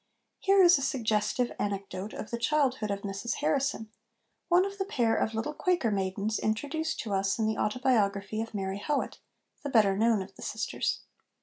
Here is a suggestive anecdote of the childhood of Mrs Harrison, one of the pair of little Quaker maidens introduced to us in the Autobiography of Mary Howitt, the better known of the sisters.